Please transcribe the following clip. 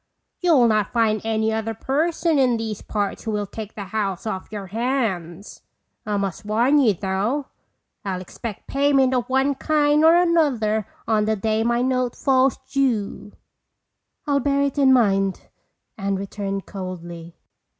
You'll not find any other person in these parts who will take the house off your hands. I must warn you though, I'll expect payment of one kind or another on the day my note falls due." "I'll bear it in mind," Anne returned coldly.